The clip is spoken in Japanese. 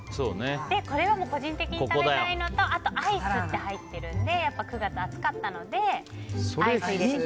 で、これは個人的に食べたいのとあとアイスって入ってるので９月暑かったのでアイスにしました。